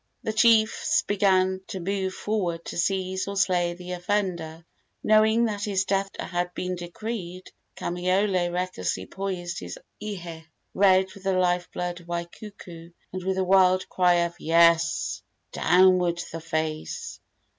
The chiefs began to move forward to seize or slay the offender. Knowing that his death had been decreed, Kamaiole recklessly poised his ihe, red with the life blood of Waikuku, and with a wild cry of "Yes, downward the face!"